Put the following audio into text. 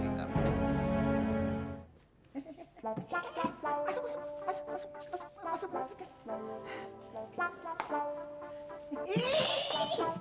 masuk masuk masuk